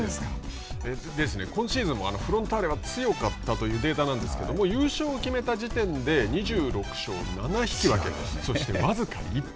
今シーズンもフロンターレは強かったというデータなんですけれども、優勝を決めた時点で２６勝７引き分け、そして、僅か１敗。